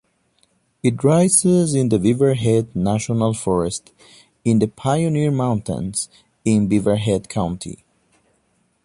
It rises in the Beaverhead National Forest in the Pioneer Mountains in Beaverhead County.